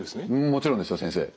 もちろんですよ先生。